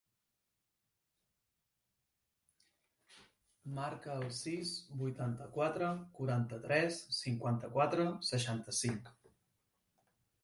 Marca el sis, vuitanta-quatre, quaranta-tres, cinquanta-quatre, seixanta-cinc.